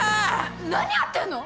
何やってんの！？